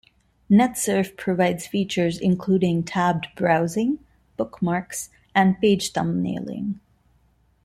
NetSurf provides features including tabbed browsing, bookmarks and page thumbnailing.